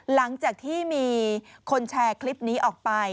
หลังจากที่มีคนแชร์คลิปนี้ออกไป